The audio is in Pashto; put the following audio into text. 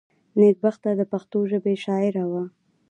نېکبخته دپښتو ژبي شاعره وه.